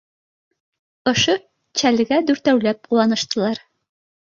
Ошо чәлгә дүртәүләп ҡыуаныштылар